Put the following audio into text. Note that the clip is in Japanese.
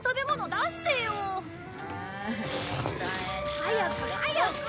早く早く！